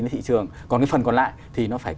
cái thị trường còn cái phần còn lại thì nó phải